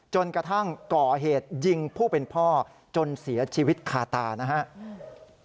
จนกระทั่งก่อเหตุยิงผู้เป็นพ่อจนเสียชีวิตคาตานะครับ